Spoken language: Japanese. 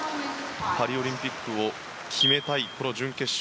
パリオリンピックを決めたいこの準決勝。